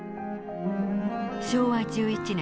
昭和１１年。